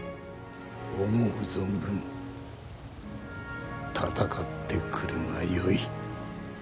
思う存分戦ってくるがよい。